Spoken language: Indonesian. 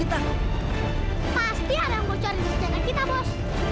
pasti ada yang bocor di sejajar kita bos